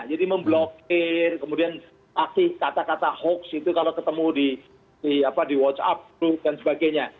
jadi memblokir kemudian kasih kata kata hoax itu kalau ketemu di whatsapp dan sebagainya